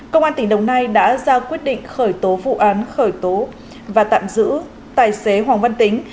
công an tỉnh đồng nai đã ra quyết định khởi tố vụ án khởi tố và tạm giữ tài xế hoàng văn tính